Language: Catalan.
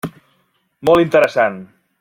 Molt interessant.